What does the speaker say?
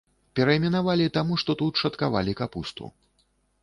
Перайменавалі, таму што тут шаткавалі капусту.